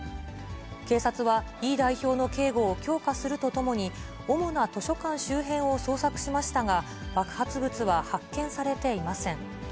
警察は、イ代表の警護を強化するとともに、主な図書館周辺を捜索しましたが、爆発物は発見されていません。